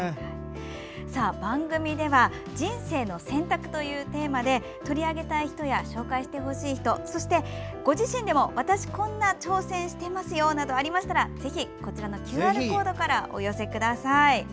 番組では人生の選択というテーマで取り上げたい人や紹介してほしい人そして、ご自身でも挑戦していることがありましたらぜひこちらのＱＲコードからお寄せください。